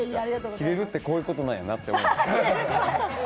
キレるってこういうことなんやなって思いました。